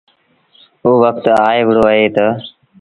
اوٚ وکت آئي وهُڙو اهي تا